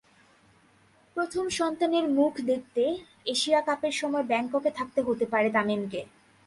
প্রথম সন্তানের মুখ দেখতে এশিয়া কাপের সময় ব্যাংককে থাকতে হতে পারে তামিমকে।